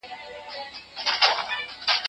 که سړی په یوه لوی مقام کي ښه کار نه سي کولای